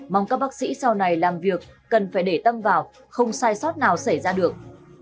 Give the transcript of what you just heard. mong các bác sĩ sau này làm việc cần phải để tâm vào không sai sót nào xảy ra được